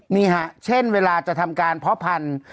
นี่ฮะเช่นเวลาจะทำการเพาะพันธุ์